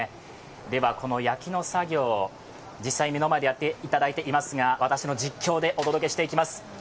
では、この焼きの作業、実際に目の前でやっていただいておりますが、私の実況でお届けしていきます。